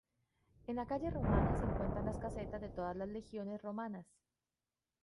En la calle romana se encuentran las casetas de todas las legiones romanas.